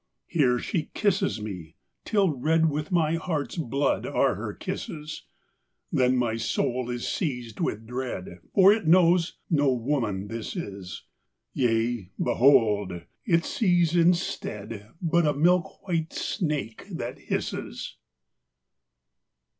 Here she kisses me till red With my heart's blood are her kisses; Then my soul is seized with dread, For it knows no woman this is: Yea, behold! it sees instead But a milk white snake that hisses.